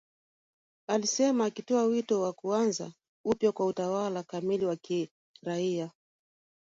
alisema akitoa wito wa kuanza upya kwa utawala kamili wa kiraia